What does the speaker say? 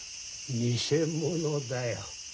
偽物だよ。